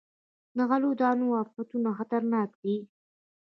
د غلو دانو افتونه خطرناک دي.